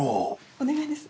お願いです。